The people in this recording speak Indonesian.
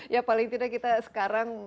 ya paling tidak kita sekarang